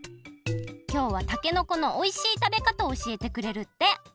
きょうはたけのこのおいしいたべかたをおしえてくれるって。